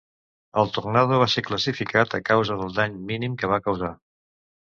El tornado va ser classificat a causa del dany mínim que va causar.